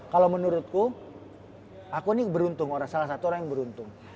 kalau menurutku aku ini beruntung salah satu orang yang beruntung